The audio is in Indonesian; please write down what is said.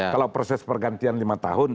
kalau proses pergantian lima tahun